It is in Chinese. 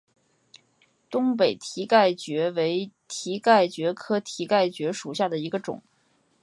东北蹄盖蕨为蹄盖蕨科蹄盖蕨属下的一个种。